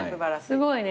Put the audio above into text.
すごいね。